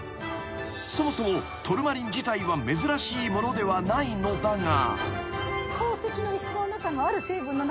［そもそもトルマリン自体は珍しいものではないのだが］